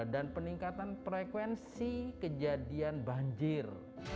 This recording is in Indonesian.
dan peningkatan frekuensi kejadian banjir